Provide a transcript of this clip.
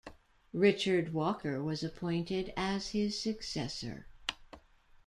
Richard Walker was appointed as his successor.